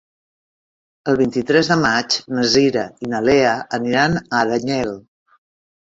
El vint-i-tres de maig na Cira i na Lea aniran a Aranyel.